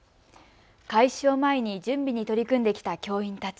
開始を前に準備に取り組んできた教員たち。